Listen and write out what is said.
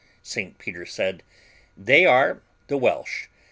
St. Peter said, "They are the Welsh.